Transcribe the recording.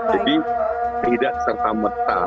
jadi tidak serta merta